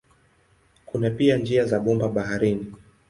Kuna pia njia za bomba baharini.